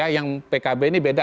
yang pkb ini beda